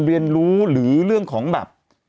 เรียนรู้หรือเรื่องของแบบ